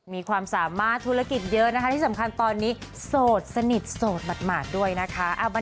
มีความสามารถธุรกิจเยอะนะคะที่สำคัญตอนนี้โสดสนิทโสดหมาดด้วยนะคะ